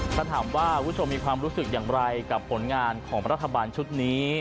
ถ้าถามว่าคุณผู้ชมมีความรู้สึกอย่างไรกับผลงานของรัฐบาลชุดนี้